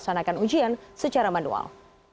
dan juga bisa menggunakan ujian secara manual